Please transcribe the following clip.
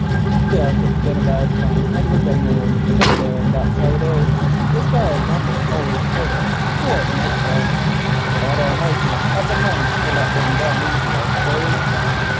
Why, yes, it's been a bad time and we're a getting old, but there, that's how it is, the sky almost allus clears toward night fall. God Almighty hev a mind to let one down easy, I suppose."